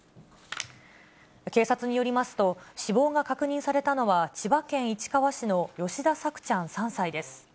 警察によりますと、死亡が確認されたのは、千葉県市川市の吉田朔ちゃん３歳です。